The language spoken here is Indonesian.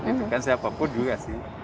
itu kan siapapun juga sih